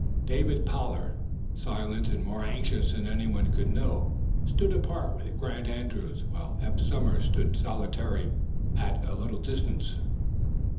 David Pollard, silent and more anxious than anyone could know, stood apart with Grant Andrews, while Eph Somers stood solitary at a little distance.